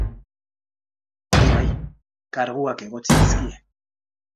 Hori bai, karguak egotzi dizkie.